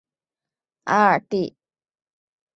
阿尔蒂。